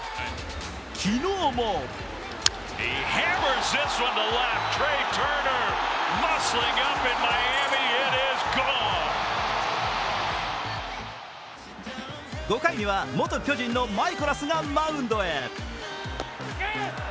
昨日も５回には元巨人のマイコラスがマウンドへ。